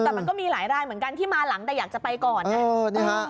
แต่มันก็มีหลายรายเหมือนกันที่มาหลังแต่อยากจะไปก่อนไง